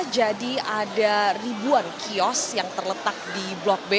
jadi ada ribuan kios yang terletak di blok b